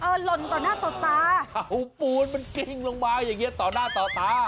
หล่นต่อหน้าต่อตาเอาปูนมันกิ้งลงมาอย่างเงี้ต่อหน้าต่อตา